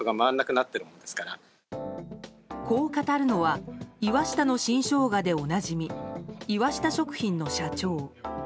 こう語るのは岩下の新生姜でおなじみ岩下食品の社長。